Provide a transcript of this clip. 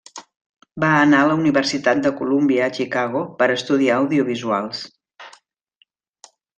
Va anar a la Universitat de Colúmbia a Chicago per estudiar audiovisuals.